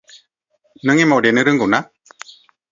नों एमाव देनो रोंगौ ना?